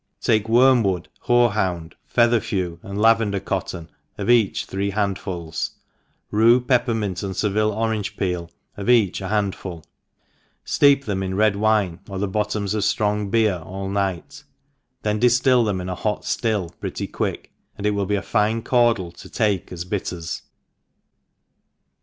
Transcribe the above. , TAKE wormwood, hore^hound, feather^; tew, and lavendar cotton, of each three hand fuls, rue, pepper mint, and Seville orange peel, of each a handful, fteep them in red wine, or the bottoms of ftrong beer, all night ; then diftill them in a hot ftill pretty quick, and it will be ft fine caudle to take as bitters.